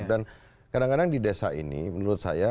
dan kadang kadang di desa ini menurut saya